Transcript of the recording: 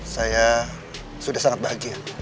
saya sudah sangat bahagia